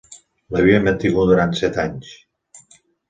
L'havia mantingut durant set anys.